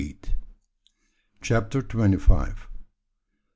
CHAPTER TWENTY FIVE.